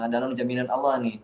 dalam jaminan allah nih